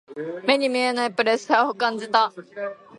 目に見えないプレッシャーを感じた。